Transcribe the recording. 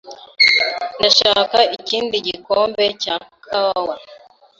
Ndashaka ikindi gikombe cya kawa.